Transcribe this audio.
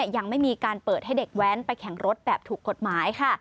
ยังไม่มีการเปิดให้เด็กแว้นไปแข่งรถแบบถูกกฎหมายค่ะ